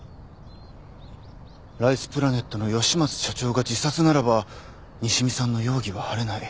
ライスプラネットの吉松社長が自殺ならば西見さんの容疑は晴れない。